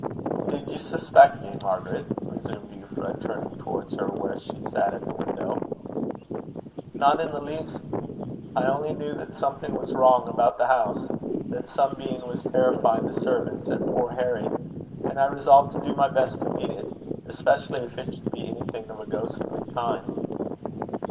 "Did you suspect me, Margaret?" resumed Euphra, turning towards her where she sat at the window. "Not in the least. I only knew that something was wrong about the house; that some being was terrifying the servants, and poor Harry; and I resolved to do my best to meet it, especially if it should be anything of a ghostly kind."